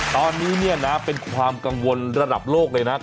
ตอนนี้เนี่ยนะเป็นความกังวลระดับโลกเลยนะ